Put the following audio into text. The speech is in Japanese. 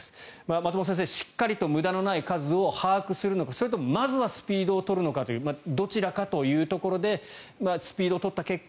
松本先生、しっかりと無駄のない数を把握するのかそれともまずはスピードを取るのかというどちらかというところでスピードを取った結果